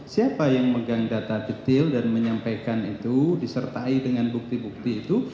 siapa yang megang data detail dan menyampaikan itu disertai dengan bukti bukti itu